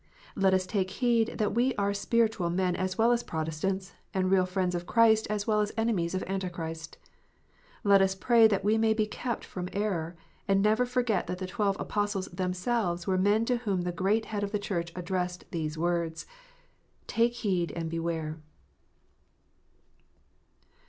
Let us take heed that we are spiritual men as well as Protestants, and real friends of Christ as well as enemies of Antichrist. Let us pray that we may be kept from error, and never forget that the twelve Apostles themselves were the men to whom the Great Head of the Church addressed these words :" Take heed and beware."